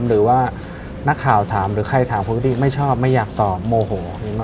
หรือว่านักข่าวถามหรือใครถามคนที่ไม่ชอบไม่อยากตอบโมโห